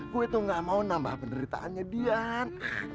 gue itu gak mau nambah penderitaannya dian